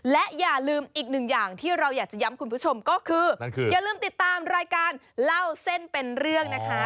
และอย่าลืมอีกหนึ่งอย่างที่เราอยากจะย้ำคุณผู้ชมก็คืออย่าลืมติดตามรายการเล่าเส้นเป็นเรื่องนะคะ